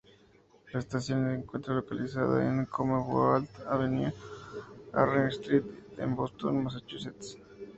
La estación se encuentra localizada en Commonwealth Avenue y Warren Street en Boston, Massachusetts.